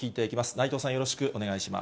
内藤さん、よろしくお願いします。